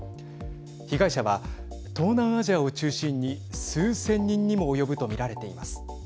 被害者は東南アジアを中心に数千人にも及ぶと見られています。